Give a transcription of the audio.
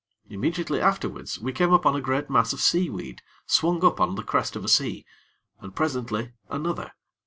Immediately afterwards, we came upon a great mass of seaweed swung up on the crest of a sea, and, presently, another.